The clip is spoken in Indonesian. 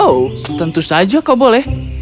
oh tentu saja kau boleh